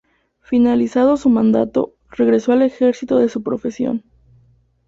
Finalizado su mandato regresó al ejercicio de su profesión.